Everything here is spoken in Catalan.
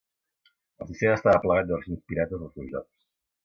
El sistema estava plagat de versions pirates dels seus jocs.